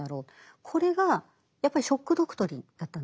これがやっぱり「ショック・ドクトリン」だったんですね。